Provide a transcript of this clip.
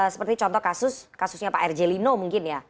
seperti contoh kasus pak r jelino mungkin ya